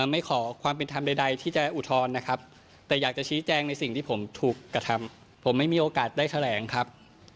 ไม่ขอความเป็นธรรมใดที่จะอุทธรณ์นะครับแต่อยากจะชี้แจงในสิ่งที่ผมถูกกระทำผมไม่มีโอกาสได้แถลงครับ